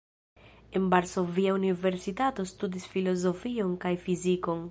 En Varsovia Universitato studis filozofion kaj fizikon.